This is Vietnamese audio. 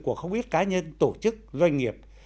của không biết cá nhân tổ chức doanh nghiệp